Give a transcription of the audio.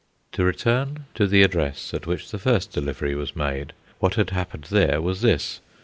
To return to the address at which the first delivery was made, what had happened there was this.